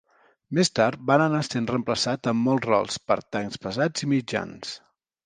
Més tard, van anar sent reemplaçats en molts rols per tancs pesats i mitjans.